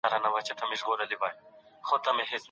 ویب سایټ باید د موبایل او کمپیوټر لپاره یو شان فعالیت وکړي.